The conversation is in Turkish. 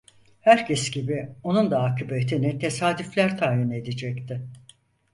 Herkes gibi onun da akıbetini tesadüfler tayin edecekti.